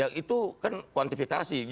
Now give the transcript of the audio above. ya itu kan kuantifikasi